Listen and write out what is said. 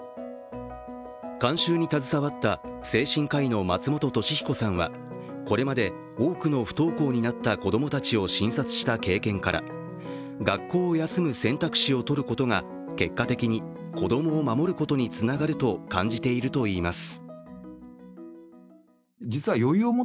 監修に携わった精神科医の松本俊彦さんはこれまで多くの不登校になった子供たちを診察した経験から学校を休む選択肢をとることが結果的に子供を守ることにつながると感じているといいます。